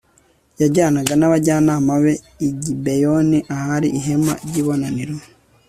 yajyanaga n'abajyanama be i gibeyoni ahari ihema ry'ibonaniro